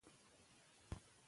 خپل نور مه پټوئ.